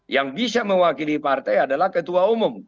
yang bisa mewakili partai adalah ketua umum